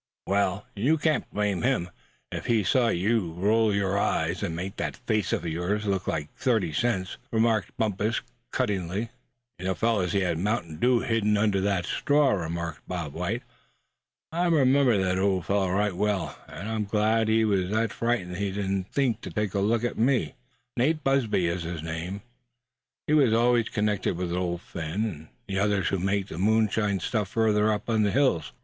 "Well, you can't blame him, if he saw you roll your eyes, and make that face of yours look like thirty cents," remarked Bumpus, cuttingly. "He had mountain dew hidden under that straw," remarked Bob White; "I remember the old fellow right well, and I'm glad he was that frightened he didn't think to take at look at me. Nate Busby is his name. He always was connected with Old Phin, and the others who make the moonshine stuff further up in the hills.